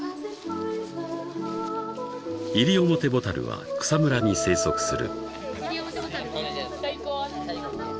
［イリオモテボタルは草むらに生息する］